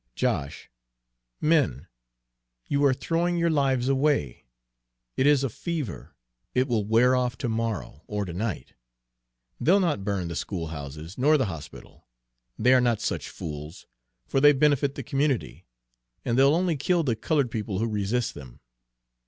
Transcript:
"Josh men you are throwing your lives away. It is a fever; it will wear off to morrow, or to night. They'll not burn the schoolhouses, nor the hospital they are not such fools, for they benefit the community; and they'll only kill the colored people who resist them.